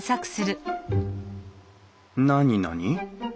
何何？